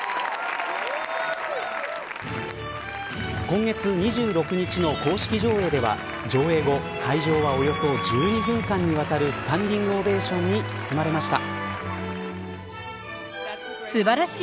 今月２６日の公式上映では上映後、会場はおよそ１２分間にわたるスタンディングオベーションに包まれました。